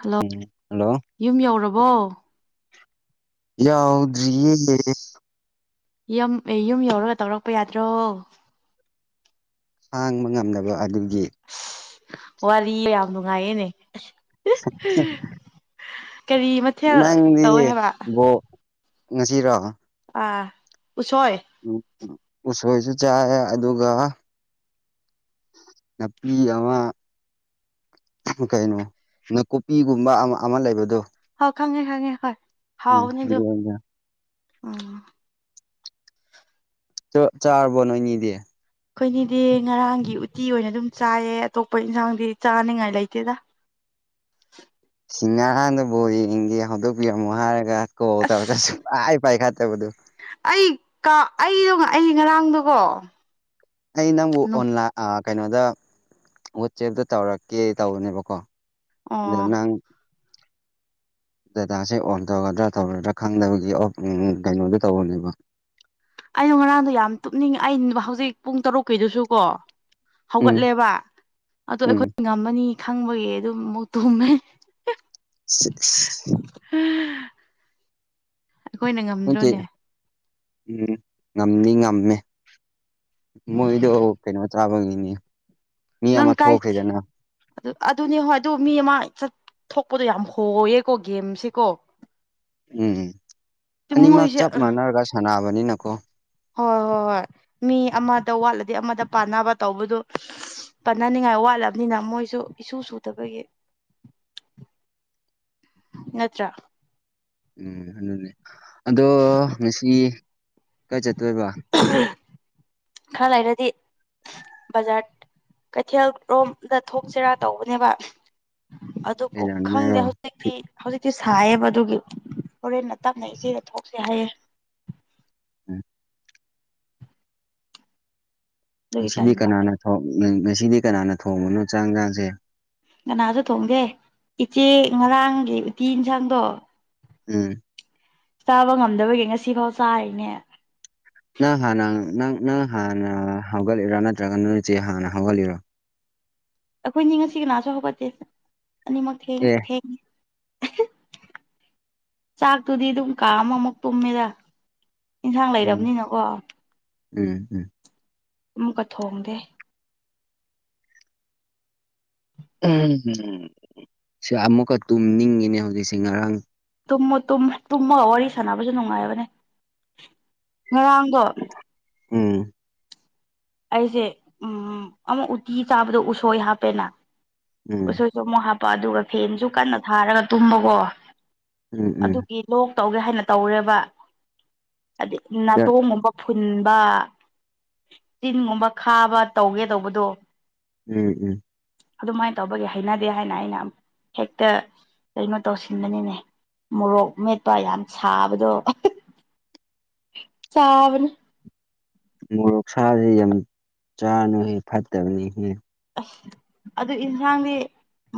hello ꯎꯝ hello ꯌꯨꯝ ꯌꯧꯔꯕꯣ ꯌꯥꯎꯗ꯭ꯔꯤꯦ ꯌ ꯑꯦ ꯌꯨꯝ ꯌꯧꯔꯒ ꯇꯧꯔꯛꯄ ꯌꯥꯗ꯭ꯔꯣ ꯍꯥꯡꯕ ꯉꯝꯗꯕ ꯑꯗꯨꯒꯤ ꯋꯥꯔꯤꯌꯦ ꯌꯥꯝ ꯃꯉꯌꯦꯅꯦ ꯀꯔꯤ ꯃꯊꯦꯜ ꯅꯪꯗꯤ ꯇꯧꯋꯦ ꯍꯥꯏꯕ ꯕꯣ ꯉꯁꯤꯔꯣ ꯑ ꯎꯁꯣꯏ ꯎ ꯎꯁꯣꯏꯁꯨ ꯆꯥꯏ ꯑꯗꯨꯒ ꯅꯥꯄꯤ ꯑꯃ ꯀꯩꯅꯣ ꯅꯥꯀꯨꯞꯄꯤꯒꯨꯝꯕ ꯑꯃ ꯑꯃ ꯂꯩꯕꯗꯣ ꯍꯣꯏ ꯈꯪꯉꯦ ꯈꯪꯉꯦ ꯍꯣꯏ ꯍꯥꯎꯕꯅꯤ ꯑꯗꯨ ꯎꯝ ꯆꯥꯔꯕꯣ ꯅꯣꯏꯅꯤꯗꯤ ꯑꯩꯈꯣꯏꯅꯤꯗꯤ ꯉꯔꯥꯡꯒꯤ ꯎꯇꯤ ꯑꯣꯏꯅ ꯑꯗꯨꯝ ꯆꯥꯏꯌꯦ ꯑꯇꯣꯞꯄ ꯏꯟꯁꯥꯡꯗꯤ ꯆꯥꯅꯤꯡꯉꯥꯏ ꯂꯩꯇꯦꯗ ꯁꯤꯡꯒꯥꯗꯨꯕꯨ ꯌꯦꯡꯒꯦ ꯍꯧꯗꯣꯛꯄꯤꯔꯝꯃꯣ ꯍꯥꯏꯔꯒ ꯀꯣ ꯇꯧꯔꯒꯁꯨ ꯑꯁ ꯥꯏ ꯄꯥꯏ ꯈꯥ ꯇꯦꯕꯗꯨ ꯑꯩ ꯑꯩꯗꯣ ꯑꯩ ꯉꯔꯥꯡꯗꯣꯀꯣ ꯑꯩ ꯅꯪꯕꯨ ꯑꯣꯟꯂꯥꯏ ꯀꯩꯅꯣꯗ ꯋꯥꯆꯦꯞꯇ ꯇꯧꯔꯛꯀꯦ ꯇꯧꯕꯅꯦꯕꯀꯣ ꯑꯗꯨꯗ꯭ꯔ ꯑꯣ ꯅꯪ ꯗꯗꯥꯇꯥꯁꯦ ꯑꯣꯟ ꯇꯧꯒꯗ꯭ꯔꯥ ꯇꯧꯔꯗ꯭ꯔꯥ ꯈꯪꯗꯕꯒꯤ ꯎ ꯀꯩꯅꯣꯗꯣ ꯇꯧꯕꯅꯦꯕ ꯑꯩꯅ ꯉꯔꯥꯡꯗꯣ ꯌꯥꯝ ꯇꯨꯞꯅꯤꯡꯉꯦ ꯑꯩ ꯍꯧꯖꯤꯛ ꯄꯨꯡ ꯇꯔꯨꯛꯀꯤꯩꯗꯨꯁꯨ ꯀꯣ ꯎꯝ ꯍꯧꯒꯠꯂꯦꯕ ꯑꯗꯣ ꯎꯝ ꯑꯩꯈꯣꯏ ꯉꯝꯃꯅꯤ ꯈꯪꯕꯒꯤ ꯑꯗꯨꯝ ꯑꯃꯨꯛ ꯇꯨꯝꯃꯦ ꯑꯩꯈꯣꯏꯅ ꯉꯝꯗ꯭ꯔꯣꯅꯦ ꯎꯝ ꯉꯝꯅꯤ ꯉꯝꯃꯦ ꯃꯣꯏꯗꯣ ꯀꯩꯅꯣ ꯇ꯭ꯔꯥꯕꯒꯤꯅꯤ ꯅꯪ ꯀꯥꯏꯇ ꯑꯗꯨ ꯑꯗꯨꯅꯦ ꯍꯣꯏ ꯑꯗꯨ ꯃꯤ ꯑꯃ ꯆꯠ ꯊꯣꯛꯄꯗꯣ ꯌꯥꯝ ꯍꯣꯌꯦꯀꯣ ꯒꯦꯝꯁꯤꯦꯀꯣ ꯎꯝ ꯑꯅꯤꯃꯛ ꯃꯣꯏꯁꯦ ꯆꯞ ꯃꯥꯟꯅꯔꯒ ꯁꯥꯟꯅꯕꯅꯤꯅꯀꯣ ꯍꯣꯏ ꯍꯣꯏ ꯍꯣꯏ ꯃꯤ ꯑꯃꯗ ꯋꯥꯠꯂꯗꯤ ꯑꯃꯗ ꯄꯥꯟꯅꯕ ꯇꯧꯕꯗꯨ ꯄꯅꯅꯤꯡꯉꯥꯏ ꯋꯥꯠꯂꯕꯅꯤꯅ ꯃꯣꯏꯁꯨ ꯏꯁꯨ ꯁꯨꯗꯕꯒꯤ ꯅꯠꯇ꯭ꯔꯥ ꯎꯝ ꯑꯗꯨꯅꯦ ꯑꯗꯣ ꯉꯁꯤ ꯀꯔ ꯆꯠꯇꯣꯏꯕ ꯈꯔ ꯂꯩꯔꯗꯤ ꯕꯖꯥꯔ ꯀꯩꯊꯦꯜ ꯔꯣꯝꯗ ꯊꯣꯛꯁꯤꯔꯥ ꯇꯧꯕꯅꯦꯕ ꯑꯗꯨ ꯈꯪꯗꯦ ꯀꯩꯗꯧꯅꯤꯡꯉꯥꯏꯔꯣ ꯍꯧꯖꯤ ꯐꯤ ꯍꯧꯖꯤꯛꯇꯤ ꯍꯧꯖꯤꯛꯇꯤ ꯁꯥꯏꯌꯦꯕ ꯑꯗꯨꯒꯤ ꯍꯣꯔꯦꯟꯅ ꯇꯞꯅ ꯏꯆꯦꯗ ꯊꯣꯛꯁꯦ ꯍꯥꯏꯌꯦꯦ ꯎꯝ ꯑꯗꯨꯒꯤ ꯉꯁꯤꯗꯤ ꯇꯟꯕ ꯀꯅꯥꯅ ꯊ ꯉꯁꯤꯗꯤ ꯀꯅꯥꯅ ꯊꯣꯡꯕꯅꯣ ꯆꯥꯛꯟꯖꯥꯡꯁꯦ ꯉꯅꯥꯁꯨ ꯊꯣꯡꯗꯦ ꯏꯆꯦ ꯉꯔꯥꯡꯒꯤ ꯎꯇꯤ ꯏꯟꯁꯥꯡꯗꯣ ꯎꯝ ꯆꯥꯕ ꯉꯝꯗꯕꯒꯤ ꯉꯁꯤꯐꯥꯎ ꯆꯥꯔꯤꯅꯦ ꯅꯪ ꯍꯥꯟꯅ ꯅꯪ ꯅꯪ ꯍꯥꯟꯅ ꯍꯧꯒꯠꯂꯤꯔꯣ ꯅꯠꯇ꯭ꯔꯒ ꯅꯪꯆꯦ ꯍꯥꯟꯅ ꯍꯧꯒꯠꯂꯤꯔꯣ ꯑꯩꯈꯣꯏꯅꯤ ꯉꯁꯤ ꯀꯅꯥꯁꯨ ꯍꯧꯒꯠꯠꯇꯦ ꯑꯅꯤꯃꯛ ꯑꯦ ꯊꯦꯡꯉꯤ ꯆꯥꯛꯇꯨꯗꯤ ꯑꯗꯨꯝ ꯀꯥ ꯑꯃꯃꯨꯛ ꯇꯨꯝꯃꯤꯗ ꯌꯦꯟꯁꯥꯡ ꯎꯝ ꯂꯩꯔꯕꯅꯤꯅꯀꯣ ꯎꯝ ꯎꯝ ꯑꯃꯨꯛꯀ ꯊꯣꯡꯗꯦ ꯎ ꯁꯤ ꯑꯃꯨꯛꯀ ꯇꯨꯝꯅꯤꯡꯉꯤꯅꯦ ꯍꯧꯖꯤꯛꯁꯦ ꯉꯔꯥꯡ ꯇꯨꯝꯃꯨ ꯇꯨꯝꯃꯒ ꯋꯥꯔꯤ ꯁꯥꯟꯅꯕꯁꯨ ꯅꯨꯡꯉꯥꯏꯕꯅꯦ ꯉꯔꯥꯡꯗꯣ ꯎꯝ ꯑꯩꯁꯦ ꯎꯝ ꯑꯃꯛ ꯎꯇꯤ ꯆꯥꯕꯗꯣ ꯎꯁꯣꯏ ꯍꯥꯞꯄꯦꯅ ꯎꯝ ꯎꯁꯣꯏ ꯑꯃꯨꯛ ꯍꯥꯞꯄ ꯑꯗꯨꯒ ꯐꯦꯟꯁꯨ ꯀꯟꯅ ꯊꯥꯔꯒ ꯇꯨꯝꯕꯀꯣ ꯎꯝ ꯎꯝ ꯑꯗꯨꯒꯤ ꯂꯣꯛ ꯇꯧꯒꯦ ꯍꯥꯏꯅ ꯇꯧꯔꯦꯕ ꯍꯥꯏꯗꯤ ꯗ ꯅꯥꯇꯣꯡꯒꯨꯝꯕ ꯐꯨꯟꯕ ꯆꯤꯟꯒꯨꯝꯕ ꯈꯥꯕ ꯇꯧꯒꯦ ꯇꯧꯕꯗꯣ ꯎꯝ ꯎꯝ ꯑꯗꯨꯃꯥꯏꯅ ꯇꯧꯕꯒꯤ ꯍꯩꯅꯗꯦ ꯍꯥꯏꯅ ꯑꯩꯅꯛ ꯍꯦꯛꯇ ꯀꯩꯅꯣ ꯇꯧꯁꯤꯟꯕꯅꯤꯅꯦ ꯃꯣꯔꯣꯛ ꯃꯦꯠꯄ ꯌꯥꯝ ꯁꯥꯕꯗꯣ ꯁꯥꯕꯅ ꯃꯣꯔꯣꯛ ꯁꯥꯕꯁꯤ ꯌꯥꯝ ꯆꯥꯅꯨ ꯍꯦ ꯐꯠꯇꯕꯅꯤ ꯍꯦ ꯑꯁ ꯑꯗꯨ ꯑꯦꯟꯁꯥꯡꯗꯤ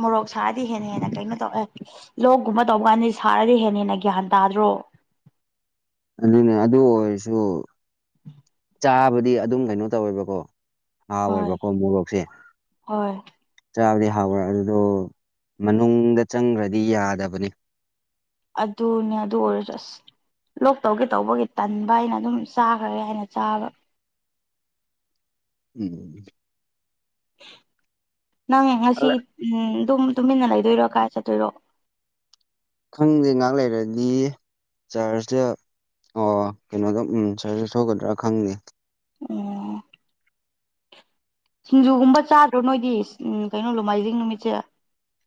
ꯃꯣꯔꯣꯛ ꯁꯥꯔꯗꯤ ꯍꯦꯟꯅ ꯍꯦꯟꯅ ꯀꯩꯅꯣ ꯇꯧꯑꯦ ꯂꯣꯛꯒꯨꯝꯕ ꯇꯧꯕ ꯀꯥꯟꯗꯤ ꯁꯥꯔꯗꯤ ꯍꯦꯟꯅ ꯍꯦꯟꯅ ꯒ꯭ꯌꯥꯟ ꯇꯥꯗ꯭ꯔꯣ ꯑꯗꯨꯅꯦ ꯑꯗꯨ ꯑꯣꯏꯔꯁꯨ ꯆꯥꯕꯗꯤ ꯑꯗꯨꯝ ꯀꯩꯅꯣ ꯇꯧꯋꯦꯕꯀꯣ ꯍꯣꯏ ꯍꯥꯎꯋꯦꯕꯀꯣ ꯃꯣꯔꯣꯛꯁꯦ ꯍꯣꯏ ꯆꯥꯕꯗꯤ ꯍꯥꯎꯕꯔꯥ ꯑꯗꯨꯗꯣ ꯃꯅꯨꯡꯗ ꯆꯪꯈ꯭ꯔꯗꯤ ꯌꯥꯗꯕꯅꯤ ꯑꯗꯨꯅꯦ ꯑꯗꯨ ꯑꯣꯏꯔꯁꯨ ꯂꯣꯛꯇꯧꯒꯦ ꯇꯧꯕꯒꯤ ꯇꯟꯕ ꯑꯩꯅ ꯑꯗꯨꯝ ꯆꯥꯈ꯭ꯔꯦ ꯍꯥꯏꯅ ꯆꯥꯕ ꯎꯝ ꯅꯪ ꯉꯁꯤ ꯇꯨꯃꯤꯟꯅ ꯂꯩꯗꯣꯏꯔꯣ ꯀꯥꯏ ꯆꯠꯇꯣꯏꯔꯣ ꯈꯪꯗꯦ ꯉꯥꯏꯍꯥꯛ ꯂꯩꯔꯗꯤ ꯆꯥꯔꯖꯁꯦ ꯑꯣ ꯀꯩꯅꯣꯗꯣ ꯎ ꯆꯥꯔꯖꯦ ꯊꯣꯛꯒꯗ꯭ꯔꯥ ꯈꯪꯗꯦ ꯎꯝ ꯁꯤꯡꯖꯨꯒꯨꯝꯕ ꯆꯥꯗ꯭ꯔꯣ ꯅꯣꯏꯗꯤ ꯎ ꯀꯩꯅꯣ ꯂꯨꯃꯥꯏꯖꯤꯡ ꯅꯨꯃꯤꯠꯁꯦ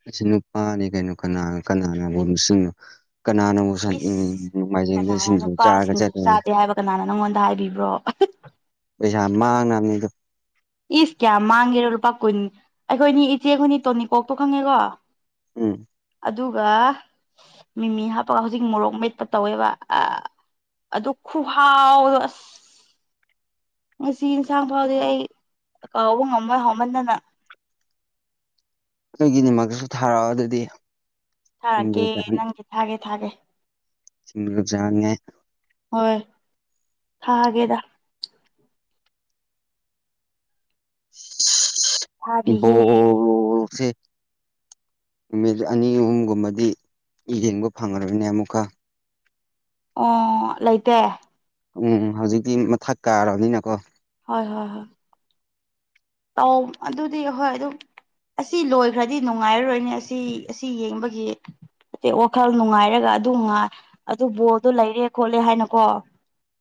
ꯑꯁꯤ ꯅꯨꯄꯥꯅꯤ ꯀꯩꯅꯣ ꯀꯅꯥ ꯀꯅꯥꯅꯒꯨꯝꯕ ꯁꯤꯅꯣ ꯀꯅꯥꯅ ꯑꯃꯨꯛ ꯎꯣꯡ ꯏꯁ ꯃꯥꯏꯖꯤꯡꯗ ꯀꯅꯥꯅ ꯁꯤꯡꯁꯨ ꯅꯨꯄꯥ ꯆꯥꯛꯔꯒ ꯁꯤꯡꯖꯨ ꯆꯠꯇꯅ ꯆꯥꯗꯦ ꯍꯥꯏꯕ ꯀꯅꯥꯅ ꯅꯪꯉꯣꯟꯗ ꯍꯥꯏꯕꯤꯕ꯭ꯔꯣ ꯄꯩꯁꯥ ꯃꯥꯡꯅꯕꯅꯤꯗꯣ ꯏꯁ ꯀꯌꯥ ꯃꯥꯡꯒꯦꯔꯣ ꯂꯨꯄꯥ ꯀꯨꯟ ꯑꯩꯈꯣꯏꯅꯤ ꯏꯆꯦꯈꯣꯏꯅꯤ ꯇꯣꯅꯤꯀꯣꯛꯇꯣ ꯈꯪꯉꯦꯀꯣ ꯎꯝ ꯑꯗꯨꯒ ꯃꯤꯃꯤ ꯍꯥꯞꯄꯒ ꯍꯧꯖꯤꯛ ꯃꯣꯔꯣꯛ ꯃꯦꯠꯄ ꯇꯧꯋꯦꯕ ꯑ ꯑꯗꯨ ꯈꯨꯍꯥꯎꯗꯣ ꯑꯁ ꯉꯁꯤ ꯏꯟꯁꯥꯡ ꯐꯥꯎꯗꯤ ꯑꯩ ꯀꯥꯎꯕ ꯉꯝꯃꯣꯏ ꯍꯥꯎꯃꯟꯗꯅ ꯑꯩꯒꯤꯅꯤꯃꯛꯇꯁꯨ ꯊꯥꯔꯛꯑꯣ ꯑꯗꯨꯗꯤ ꯁꯤꯡꯖꯨ ꯊꯥꯔꯛꯀꯦ ꯅꯪꯒꯤ ꯊꯥꯒꯦ ꯊꯥꯒꯦ [unintelligible] ꯍꯣꯏ ꯊꯥꯒꯦꯗ ꯊꯥꯕꯤꯒꯦ [unintelligible] ꯅꯨꯃꯤꯠ ꯑꯅꯤ ꯑꯍꯨꯝꯒꯨꯝꯕꯗꯤ ꯌꯦꯡꯕ ꯐꯪꯉꯔꯣꯏꯅꯦ ꯑꯃꯨꯛꯀ ꯑꯣ ꯂꯩꯇꯦ ꯎꯝ ꯍꯧꯖꯤꯛꯇꯤ ꯃꯊꯛ ꯀꯥꯔꯕꯅꯤꯅꯀꯣ ꯍꯣꯏ ꯍꯣꯏ ꯍꯣꯏ ꯇꯧ ꯑꯗꯨꯗꯤ ꯍꯣꯏ ꯑꯗꯨꯝ ꯑꯁꯤ ꯂꯣꯏꯈ꯭ꯔꯗꯤ ꯅꯨꯡꯉꯥꯏꯔꯔꯣꯏꯅꯦ ꯑꯁꯤ ꯑꯁꯤ ꯌꯦꯡꯕꯒꯤ ꯑ ꯋꯥꯈꯜ ꯅꯨꯡꯉꯥꯏꯔꯒ ꯑꯗꯨꯉꯥꯏ ꯑꯗꯨ ꯕꯣꯜꯗꯨ ꯂꯩꯔꯦ ꯈꯣꯠꯂꯦ ꯍꯥꯏꯅꯀꯣ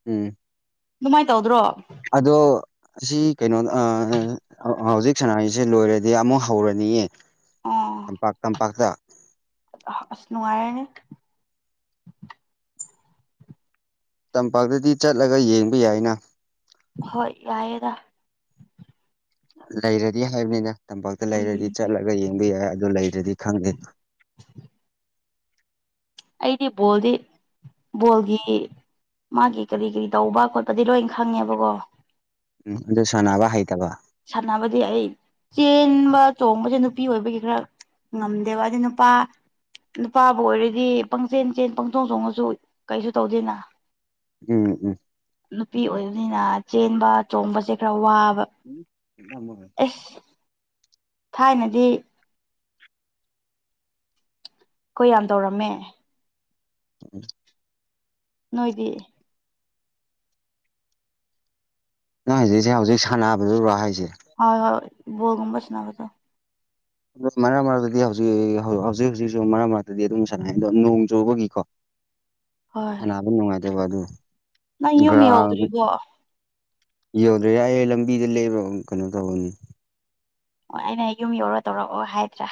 ꯎꯝ ꯑꯗꯨꯃꯥꯏꯅ ꯇꯧꯗ꯭ꯔꯣ ꯑꯗꯣ ꯑꯁꯤ ꯀꯩꯅꯣ ꯍꯧꯖꯤꯛ ꯁꯅꯥꯔꯤꯁꯦ ꯂꯣꯏꯔꯗꯤ ꯑꯃꯨꯛ ꯍꯧꯔꯅꯤꯌꯦ ꯇꯝꯄꯥꯛ ꯇꯝꯄꯥꯛꯇ ꯅꯨꯡꯉꯥꯏꯅꯦ ꯇꯝꯄꯥꯛꯇꯗꯤ ꯆꯠꯂꯒ ꯌꯦꯡꯕ ꯌꯥꯏꯅ ꯍꯣꯏ ꯌꯥꯏꯌꯦ ꯂꯩꯔꯗꯤ ꯍꯥꯏꯕꯅꯤꯅ ꯇꯝꯄꯥꯛꯇ ꯎꯝ ꯂꯩꯔꯗꯤ ꯆꯠꯂꯒ ꯌꯦꯡꯕ ꯌꯥꯏ ꯑꯗꯨ ꯂꯩꯔꯗꯤ ꯈꯪꯗꯦ ꯑꯩꯗꯤ ꯕꯣꯜꯗꯤ ꯕꯣꯜꯒꯤ ꯃꯥꯒꯤ ꯀꯔꯤ ꯀꯔꯤ ꯇꯧꯕ ꯈꯣꯠꯄꯗꯤ ꯂꯣꯏ ꯈꯪꯉꯦꯕꯀꯣ ꯎꯝ ꯑꯗꯨ ꯁꯥꯟꯅꯕ ꯍꯩꯇꯕ ꯁꯥꯟꯅꯕꯗꯤ ꯑꯩ ꯆꯦꯟꯕ ꯆꯣꯡꯕꯁꯦ ꯅꯨꯄꯤ ꯑꯣꯏꯕꯒꯤ ꯈꯔ ꯉꯝꯗꯦꯕꯗꯤ ꯅꯨꯄꯥ ꯅꯨꯄꯥꯕꯨ ꯑꯣꯏꯔꯗꯤ ꯄꯪꯆꯦꯟ ꯆꯦꯟ ꯄꯪ ꯆꯣꯡ ꯆꯣꯡꯉꯁꯨ ꯀꯩꯁꯨ ꯇꯧꯗꯦꯅ ꯎꯝ ꯎꯝ ꯅꯨꯄꯤ ꯑꯣꯏꯕꯅꯤꯅ ꯆꯦꯟꯕ ꯆꯣꯡꯕꯁꯦ ꯈꯔ ꯋꯥꯕ ꯑꯦꯁ ꯊꯥꯏꯅꯗꯤ ꯑꯩꯈꯣꯏ ꯌꯥꯝ ꯇꯧꯔꯝꯃꯦ ꯅꯣꯏꯗꯤ ꯅꯪ ꯍꯧꯖꯤꯛꯁꯦ ꯍꯧꯖꯤꯛ ꯁꯥꯟꯅꯕꯗꯨꯨꯔꯥ ꯍꯥꯏꯁꯦ ꯍꯣꯏ ꯍꯣꯏ ꯕꯜꯣꯒꯨꯝꯕ ꯁꯅꯕꯗ ꯑꯗꯣ ꯃꯔꯛ ꯃꯔꯛꯇꯗꯤ ꯍꯧꯖꯤꯛꯖꯤ ꯍꯧꯖꯤꯛ ꯍꯧꯖꯤꯛꯁꯨ ꯃꯔꯛ ꯃꯔꯛꯇꯗꯤ ꯑꯗꯨꯝ ꯁꯥꯟꯅꯩ ꯑꯗꯣ ꯅꯣꯡ ꯆꯨꯕꯒꯤꯀꯣ ꯍꯣꯏ ꯁꯅꯕ ꯅꯨꯡꯉꯥꯏꯇꯕ ꯑꯗꯨ ꯅꯪ ꯌꯨꯝ ꯒ꯭ꯔꯥꯎꯟ ꯌꯧꯗ꯭ꯔꯤꯕꯣ ꯌꯧꯗ꯭ꯔꯦ ꯌꯥꯏꯌꯦ ꯂꯝꯕꯤꯗ ꯂꯩꯔꯣ ꯀꯩꯅꯣ ꯇꯧꯔꯅꯤ ꯑꯣ ꯑꯩꯅ ꯌꯨꯝ ꯌꯧꯔ ꯇꯧꯔꯛꯑꯣ ꯍꯥꯏꯗ꯭ꯔꯥ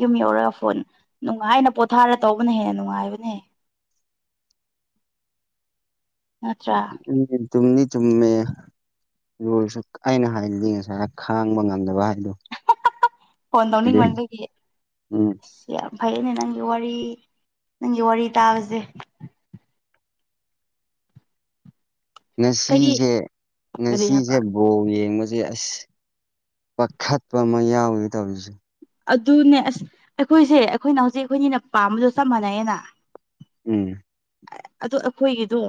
ꯌꯨꯝ ꯌꯧꯔꯒ ꯐꯣꯟ ꯅꯨꯡꯉꯥꯏꯅ ꯄꯣꯊꯥꯔ ꯇꯧꯕꯅ ꯍꯦꯟꯅ ꯅꯨꯡꯉꯥꯏꯕꯅꯦ ꯅꯠꯇ꯭ꯔ ꯎꯝ ꯆꯨꯝꯗꯤ ꯆꯨꯝꯃꯦ ꯑꯗꯨ ꯑꯣꯏꯔꯁꯨ ꯑꯩꯅꯥ ꯍꯥꯏꯗꯤ ꯉꯁꯥꯏ ꯈꯥꯡꯕ ꯉꯝꯗꯕ ꯍꯥꯏꯗꯣ ꯐꯣꯟ ꯑꯗꯨ ꯇꯧꯅꯤꯡꯃꯟꯕꯒꯤ ꯎꯝ ꯌꯥꯝ ꯐꯩꯌꯦꯅꯦ ꯅꯪꯒꯤ ꯋꯥꯔꯤ ꯅꯪꯒꯤ ꯋꯥꯔꯤ ꯇꯥꯕꯁꯦ ꯀꯔꯤ ꯉꯁꯤꯁꯦ ꯀꯔꯤ ꯍꯥꯏꯕ ꯉꯁꯤꯁꯦ ꯕꯣꯜ ꯌꯦꯡꯕꯁꯦ ꯑꯁ ꯄꯥꯈꯠꯄ ꯑꯃ ꯌꯥꯎꯋꯦ ꯇꯧꯔꯤꯁꯦ ꯑꯗꯨꯅꯦ ꯑꯁ ꯑꯩꯈꯣꯏꯁꯦ ꯑꯩꯈꯣꯏꯅ ꯍꯧꯖꯤꯛ ꯑꯩꯈꯣꯏꯅꯤꯅ ꯄꯥꯝꯕꯗꯣ ꯆꯞ ꯃꯥꯟꯅꯩꯌꯦꯅ ꯎꯝ ꯑꯗꯨ ꯑꯩꯈꯣꯏꯒꯤꯗꯣ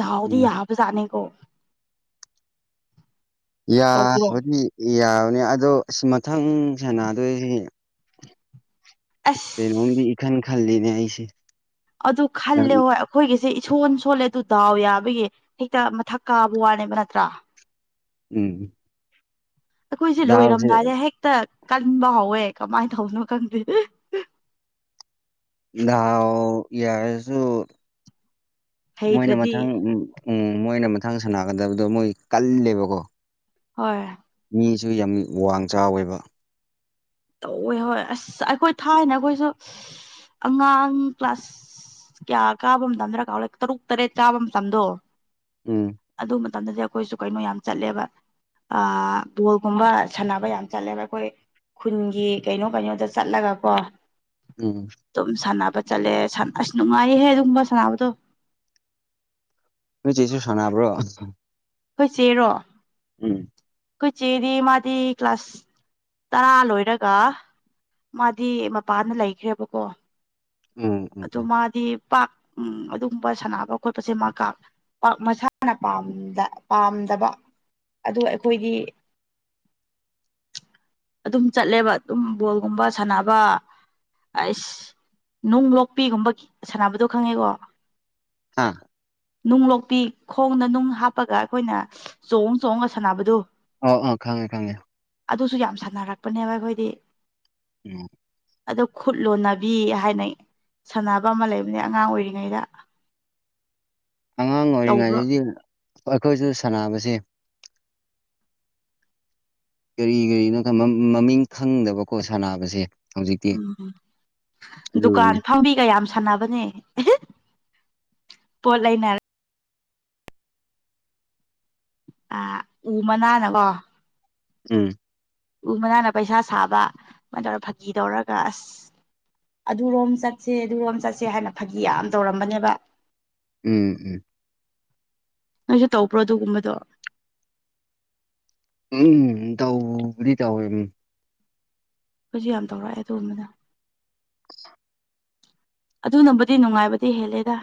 ꯗꯥꯥꯎꯗꯤ ꯎꯝ ꯌꯥꯕꯖꯥꯠꯅꯤꯀꯣ ꯇꯧꯗ꯭ꯔꯣ ꯌꯥꯕꯗꯤ ꯌꯥꯕꯅꯤ ꯑꯗꯣ ꯁꯤ ꯃꯊꯪ ꯁꯥꯟꯅꯗꯣꯏꯁꯤ ꯑꯁ ꯀꯩꯅꯣꯝꯗꯤ ꯏꯈꯥꯟ ꯈꯜꯂꯤꯅꯦ ꯑꯩꯁꯦ ꯑꯗꯨ ꯈꯜꯂꯦ ꯍꯣꯏ ꯑꯩꯈꯣꯏꯒꯤꯁꯦ ꯏꯁꯣꯟ ꯁꯣꯜꯂꯦ ꯑꯗꯨ ꯗꯥꯎ ꯌꯥꯕꯒꯤ ꯍꯦꯛꯇ ꯃꯊꯛ ꯀꯥꯕ ꯋꯥꯅꯦꯕ ꯅꯠꯇ꯭ꯔꯥ ꯎꯝ ꯑꯩꯈꯣꯏꯁꯦ ꯗꯥꯎꯁꯦ ꯂꯣꯏꯔꯝꯗꯥꯏꯗ ꯍꯦꯛꯇ ꯀꯟꯕ ꯍꯧꯋꯦ ꯀꯃꯥꯏꯅ ꯇꯧꯅꯣ ꯈꯪꯗꯦ ꯥꯗꯥꯎ ꯌꯥꯔꯁꯨ ꯃꯣꯏꯅ ꯍꯩꯇ꯭ꯔꯗꯤ ꯃꯊꯪ ꯎꯝ ꯃꯣꯏꯅ ꯃꯊꯪ ꯁꯥꯟꯅꯥꯒꯗꯕꯗꯣ ꯃꯣꯏ ꯀꯜꯂꯦꯕꯀꯣ ꯍꯣꯏ ꯃꯤꯁꯨ ꯌꯥꯝ ꯋꯥꯡ ꯆꯥꯎꯋꯦꯕ ꯇꯧꯋꯦ ꯍꯣꯏ ꯑꯁ ꯑꯩꯈꯣꯏ ꯊꯥꯏꯅ ꯑꯩꯈꯣꯏꯁꯨ ꯑꯉꯥꯡ ꯀ꯭ꯂꯥꯁ ꯀꯌꯥ ꯀꯥꯕ ꯃꯇꯝꯗꯅ ꯀꯥꯎꯂꯦ ꯇꯔꯨꯛ ꯇꯔꯦꯠ ꯆꯥꯕ ꯃꯇꯝꯗꯣ ꯎꯝ ꯑꯗꯨ ꯃꯇꯝꯗꯗꯤ ꯑꯩꯈꯣꯏꯁꯨ ꯀꯩꯅꯣ ꯌꯥꯝ ꯆꯠꯂꯦꯕ ꯑꯥ ꯕꯣꯜꯒꯨꯝꯕ ꯁꯥꯟꯅꯕ ꯌꯥꯝ ꯆꯠꯂꯦꯕ ꯑꯩꯈꯣꯏ ꯈꯨꯟꯒꯤ ꯀꯩꯅꯣ ꯀꯩꯅꯣꯗ ꯆꯠꯂꯒꯀꯣ ꯎꯝ ꯑꯗꯨꯝ ꯁꯥꯟꯅꯕ ꯆꯠꯂꯦ ꯑꯁ ꯅꯨꯡꯉꯥꯏꯌꯦꯍꯦ ꯑꯗꯨꯒꯨꯝꯕ ꯁꯥꯟꯅꯕꯗꯣ ꯅꯣꯏ ꯆꯦꯁꯨ ꯁꯅꯕꯔꯣ ꯑꯩꯈꯣꯏ ꯆꯦꯔꯣ ꯎꯝ ꯑꯩꯈꯣꯏ ꯆꯦꯗꯤ ꯃꯥꯗꯤ ꯀ꯭ꯂꯥꯁꯥꯁ ꯇꯔꯥ ꯂꯣꯏꯔꯒ ꯃꯥꯗꯤ ꯃꯄꯥꯟꯗ ꯂꯩꯈ꯭ꯔꯦꯕꯀꯣ ꯎꯝ ꯎꯝ ꯑꯗꯨ ꯎꯝ ꯃꯥꯗꯤ ꯄꯥꯛ ꯎꯝ ꯑꯗꯨꯒꯨꯝꯕ ꯁꯥꯟꯅꯕ ꯈꯣꯠꯄꯁꯦ ꯃꯥ ꯀꯥ ꯃꯁꯥꯅ ꯄꯥꯝꯗꯕ ꯑꯗꯨ ꯑꯩꯈꯣꯏꯗꯤ [inaudible] ꯑꯗꯨꯝ ꯆꯠꯂꯦꯕ ꯑꯗꯨꯝ ꯕꯣꯜꯒꯨꯝꯕ ꯁꯥꯟꯅꯕ ꯑꯁ ꯅꯨꯡ ꯂꯣꯛꯄꯤꯒꯨꯝꯕ ꯁꯥꯟꯅꯕꯗꯣ ꯈꯪꯉꯦꯀꯣ ꯍꯥꯥ ꯅꯨꯡ ꯂꯣꯛꯄꯤ ꯈꯣꯡꯗ ꯅꯨꯡ ꯍꯥꯞꯄꯒ ꯑꯩꯈꯣꯏꯅ ꯆꯣꯡ ꯆꯣꯡꯉꯒ ꯁꯥꯟꯅꯕꯗꯨ ꯑꯣ ꯑ ꯈꯪꯉꯦ ꯈꯪꯉꯦ ꯑꯗꯨꯁꯨ ꯌꯥꯝ ꯁꯥꯟꯅꯔꯛꯄꯅꯦꯕ ꯑꯩꯈꯣꯏꯗꯤ ꯎꯝ ꯑꯗ ꯈꯨꯠ ꯂꯣꯟꯅꯕꯤ ꯍꯥꯏꯅꯩ ꯁꯥꯟꯅꯕ ꯑꯃ ꯂꯩꯕꯅꯦ ꯑꯉꯥꯡ ꯑꯣꯏꯔꯤꯉꯩꯗ ꯑꯉꯥꯡ ꯇꯧꯕ꯭ꯔꯣ ꯑꯣꯏꯔꯤꯉꯩꯗꯗꯤ ꯑꯩꯈꯣꯏꯁꯨ ꯁꯥꯟꯅꯕꯁꯦ ꯀꯔꯤ ꯀꯔꯤꯅꯣ ꯃꯃꯤꯡ ꯈꯪꯗꯕꯀꯣ ꯁꯥꯟꯅꯕꯁꯦ ꯍꯧꯖꯤꯛꯇꯤ ꯎꯝ ꯗꯨꯀꯥꯟ ꯑꯗꯨꯅꯤ ꯐꯝꯕꯤꯒꯌꯥꯝ ꯁꯥꯟꯅꯕꯅꯦ ꯑꯦ ꯄꯣꯠ ꯂꯩꯅꯔ ꯑ ꯎ ꯃꯅꯥꯅꯀꯣ ꯎꯝ ꯎ ꯃꯅꯥꯅ ꯄꯩꯁꯥ ꯁꯥꯕ ꯑꯗꯨꯃꯥꯏꯅ ꯇꯧꯔ ꯐꯥꯒꯤ ꯇꯧꯔꯒ ꯑꯁ ꯑꯗꯨꯔꯣꯝ ꯆꯠꯁꯦ ꯑꯗꯨꯔꯣꯝ ꯆꯠꯁꯦ ꯍꯥꯏꯅ ꯐꯥꯒꯤ ꯌꯥꯝ ꯇꯧꯔꯝꯕꯅꯦꯕ ꯎꯝ ꯎꯝ ꯅꯪꯁꯨ ꯇꯧꯕ꯭ꯔꯣ ꯑꯗꯨꯒꯨꯝꯕꯗꯣ ꯎꯝ ꯇꯧꯕꯗꯤ ꯇꯧꯋꯦ ꯑꯩꯈꯣꯏꯁꯨ ꯌꯥꯝ ꯇꯧꯔꯛꯑꯦ ꯑꯗꯨꯒꯝꯕꯗ ꯑꯗꯨꯅꯕꯨꯗꯤ ꯅꯨꯡꯉꯥꯏꯕꯗꯤ ꯍꯦꯜꯂꯦꯗ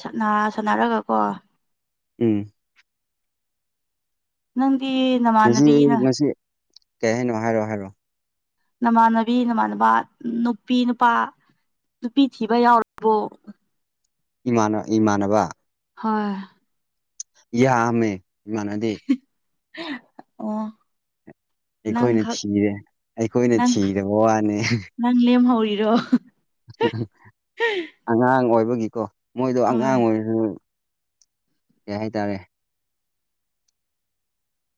ꯁꯥꯟꯅ ꯁꯟꯅꯔꯒꯀꯣ ꯎꯝ ꯅꯪꯒꯤ ꯉꯁꯤ ꯉꯁꯤ ꯀꯔꯤ ꯍꯥꯏꯅꯣ ꯍꯥꯏꯔꯣ ꯍꯥꯏꯔꯣ ꯅꯃꯥꯟꯅꯕꯤ ꯅꯃꯥꯟꯅꯕ ꯅꯨꯄꯤ ꯅꯨꯄꯥ ꯅꯨꯄꯤ ꯊꯤꯕ ꯌꯥꯎꯔꯕꯣ ꯏꯃꯥꯟ ꯏꯃꯥꯟꯅꯕ ꯍꯣꯏ ꯌꯥꯑꯃꯦ ꯏꯃꯥꯟ ꯅꯗꯦ ꯑꯣ ꯑꯩꯈꯣꯏꯅ ꯅꯪꯈꯛ ꯊꯤꯔꯦ ꯑꯩꯈꯣꯏꯅ ꯅꯪ ꯊꯤꯗꯕ ꯋꯥꯅꯤ ꯅꯪ ꯂꯦꯝꯍꯧꯔꯤꯔꯣ ꯑꯉꯥꯡ ꯑꯣꯏꯕꯒꯤꯀꯣ ꯃꯣꯏꯗꯣ ꯑꯉꯥꯡ ꯍꯣꯏ ꯑꯣꯏꯔꯤꯁꯨ ꯀꯩ ꯍꯥꯏꯇꯥꯔꯦ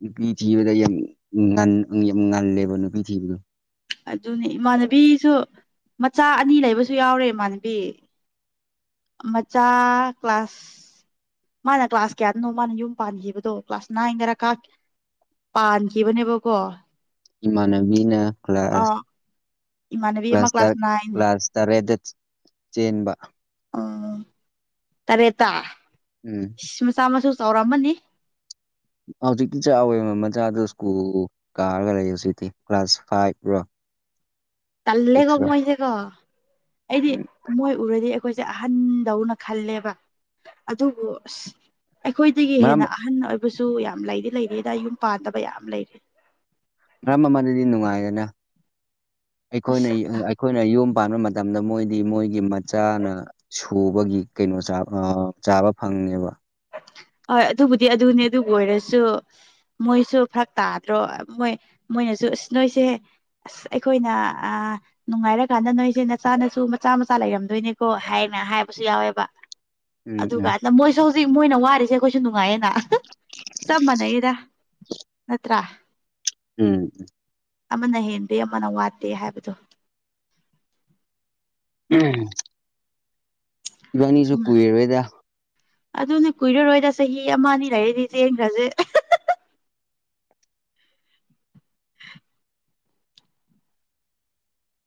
ꯅꯨꯄꯤ ꯊꯤꯕꯗ ꯌꯥꯝ ꯌꯥꯝ ꯉꯜꯂꯦꯕ ꯅꯨꯄꯤ ꯊꯤꯕꯗꯣ ꯑꯗꯨꯅꯤ ꯏꯃꯥꯟꯅꯕꯤꯁꯨ ꯃꯆꯥ ꯑꯅꯤ ꯂꯩꯕꯁꯨ ꯌꯥꯎꯔꯦ ꯏꯃꯥꯟꯅꯕꯤ ꯃꯆꯥ ꯀ꯭ꯂꯥꯁ ꯃꯥꯅ ꯀ꯭ꯂꯥꯁ ꯀꯌꯥꯗꯅꯣ ꯃꯥꯅ ꯌꯨꯝ ꯄꯥꯟꯈꯤꯕꯗꯣ ꯀ꯭ꯂꯥꯁ ꯅꯥꯏꯟ ꯈꯔ ꯀꯥ ꯄꯥꯟꯈꯤꯕꯅꯦꯕꯀꯣ ꯏꯃꯥꯟꯅꯕꯤꯅ ꯀ꯭ꯂꯥꯁ ꯑꯥ ꯏꯃꯥꯟꯅꯕꯤ ꯑꯃ ꯀ꯭ꯂꯥꯁ ꯇ ꯅꯥꯏꯟ ꯀ꯭ꯂꯥꯁ ꯇꯔꯦꯠꯗ ꯆꯦꯟꯕ ꯑꯣ ꯇꯔꯦꯠꯇ ꯎꯝ ꯃꯆꯥ ꯃꯁꯨ ꯆꯥꯎꯔꯝꯃꯅꯤ ꯍꯧꯖꯤꯛꯇꯤ ꯆꯥꯎꯋꯦ ꯃꯆꯥꯗꯨ ꯁ꯭ꯀꯨꯜ ꯀꯥꯒꯔꯦ ꯍꯧꯖꯤꯛꯇꯤ ꯀ꯭ꯂꯥꯁ ꯐꯥꯏꯚ ꯔꯣ ꯇꯜꯂꯦꯀꯣ ꯁꯤꯛꯁ ꯔꯣ ꯃꯣꯏꯁꯦꯀꯣ ꯑꯩꯗꯤ ꯎꯝ ꯃꯣꯏ ꯎꯔꯗꯤ ꯑꯩꯈꯣꯏꯁꯦ ꯑꯍꯟꯗꯧꯅ ꯈꯜꯂꯦꯕ ꯑꯗꯨꯕꯨ ꯑꯁ ꯑꯩꯈꯣꯏꯗꯒꯤ ꯃꯔꯝ ꯍꯦꯟꯅ ꯑꯍꯟ ꯑꯣꯏꯕꯁꯨ ꯌꯥꯝ ꯂꯩꯗꯤ ꯂꯩꯔꯤꯗ ꯌꯨꯝ ꯄꯥꯟꯗꯕ ꯌꯥꯝ ꯂꯩꯔꯤ ꯃꯔꯝ ꯑꯃꯅꯗꯤ ꯅꯨꯡꯉꯥꯏꯗꯅ ꯑꯩꯈꯣꯏꯅ ꯑꯁ ꯑꯩꯈꯣꯏꯅ ꯌꯨꯝ ꯄꯥꯟꯕ ꯃꯇꯝꯗ ꯃꯣꯏꯗꯤ ꯃꯣꯏꯒꯤ ꯃꯆꯥꯅ ꯁꯨꯕꯒꯤ ꯀꯩꯅꯣ ꯆꯥ ꯆꯥꯕ ꯐꯪꯉꯦꯕ ꯍꯣꯏ ꯑꯗꯨꯕꯨꯗꯤ ꯑꯗꯨꯅꯤ ꯑꯗꯨꯕꯨ ꯑꯣꯏꯔꯁꯨ ꯃꯣꯏꯁꯨ ꯐꯔꯛ ꯇꯥꯗ꯭ꯔꯣ ꯃꯣꯏ ꯃꯣꯏꯅꯁꯨ ꯑꯁ ꯅꯣꯏꯁꯦ ꯑꯁ ꯑꯩꯈꯣꯏꯅ ꯅꯨꯡꯉꯥꯏꯔꯀꯥꯟꯗ ꯅꯣꯏꯁꯦ ꯅꯆꯥꯅꯁꯨ ꯃꯆꯥ ꯃꯆꯥ ꯂꯩꯔꯝꯗꯣꯏꯅꯦꯀꯣ ꯍꯥꯏꯅ ꯍꯥꯏꯕꯁꯨ ꯌꯥꯎꯋꯦꯕ ꯎꯝ ꯎꯝ ꯑꯗꯨꯒꯟꯗ ꯃꯣꯏꯁꯨ ꯍꯧꯖꯤꯛ ꯃꯣꯏꯅ ꯋꯥꯔꯤꯁꯦ ꯑꯩꯈꯣꯏꯁꯨ ꯅꯨꯡꯉꯥꯏꯌꯦꯅ ꯆꯞ ꯃꯅꯩꯗ ꯅꯠꯇ꯭ꯔ ꯎꯝ ꯑꯃꯅ ꯍꯦꯟꯗꯦ ꯑꯃꯅ ꯋꯥꯠꯇꯦ ꯍꯥꯏꯕꯗꯣ ꯎꯝ ꯏꯕꯥꯅꯤꯁꯨ ꯀꯨꯏꯔꯔꯣꯏꯗ ꯑꯗꯨꯅ ꯀꯨꯏꯔꯔꯣꯏꯗ ꯆꯍꯤ ꯑꯃ ꯑꯅꯤ ꯂꯩꯔꯗꯤ ꯆꯦꯟꯈ꯭ꯔꯁꯦ